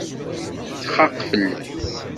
Txaq fell-as.